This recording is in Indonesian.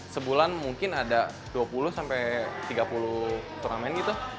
sebulan mungkin ada dua puluh tiga puluh turamen gitu